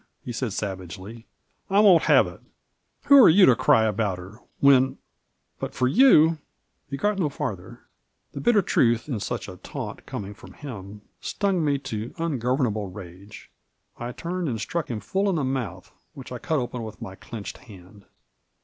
'' he said savagely ;" I won't have it 1 Who are you to cry about her, when — ^but for . you —^" Digitized by VjOOQIC MARJORY. 109 He got no farther ; the bitter truth in such a taunt, coming from him, stung me to uugovemable rage. 1 turned and struck him full in the mouth, which I cut open with my clinched hand.